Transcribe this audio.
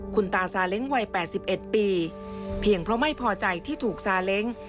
คุณตาซาเล้งวัย๘๑ปีเพียงเพราะไม่พอใจที่ถูกซาเล้ง